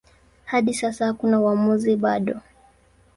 Hadi sasa hakuna uamuzi bado.